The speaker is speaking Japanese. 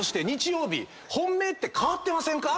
本命って変わってませんか？